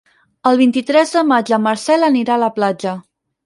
El vint-i-tres de maig en Marcel anirà a la platja.